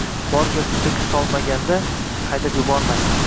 Bor gapni to‘kib-solmaganda haydab yubormasdi.